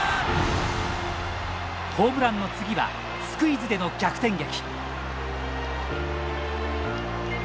ホームランの次はスクイズでの逆転劇。